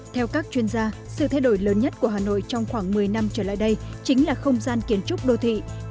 theo các chuyên gia sự thay đổi lớn nhất của hà nội trong khoảng một mươi năm trở lại đây chính là không gian kiến trúc đô thị